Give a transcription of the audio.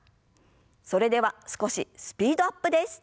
それでは少しスピードアップです。